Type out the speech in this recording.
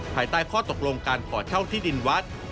ภายใต้ข้อตกลงการขอเช่าที่ดินวัด